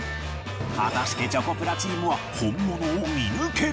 果たしてチョコプラチームは本物を見抜けるのか？